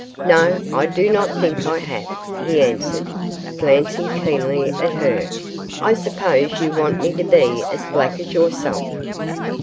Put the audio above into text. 'No, I do not think I have,' he answered, glancing keenly at her; 'I suppose you want me to be as black as yourself?